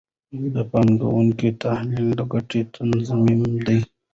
د پانګونې تحلیل د ګټې تضمین دی.